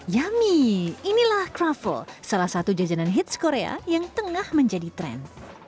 yummy inilah kroffel salah satu jajanan hits korea yang tengah menjadi tren